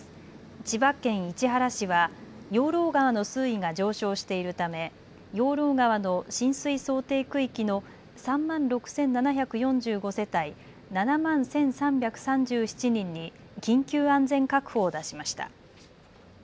千葉県市原市は養老川の水位が上昇しているため養老川の浸水想定区域の３万６７４５世帯７万１３３７人に緊急安全確保を出しました。